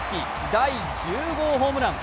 第１０号ホームラン。